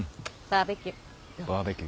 バーベキュー。